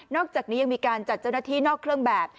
อกจากนี้ยังมีการจัดเจ้าหน้าที่นอกเครื่องแบบ